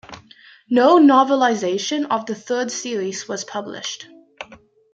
No novelisation of the third series was published.